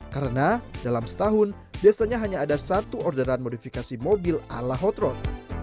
karena dalam setahun biasanya hanya ada satu orderan modifikasi mobil ala hot road